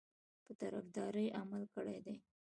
په طرفداري عمل کړی دی.